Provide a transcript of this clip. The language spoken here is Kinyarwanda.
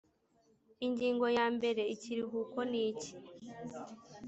Ingingo ya mbere ikiruhuko niki